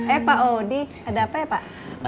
eh pak audi ada apa ya pak